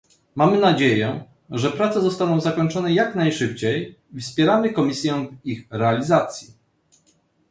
Mamy nadzieję, że prace zostaną zakończone jak najszybciej i wspieramy Komisję w ich realizacji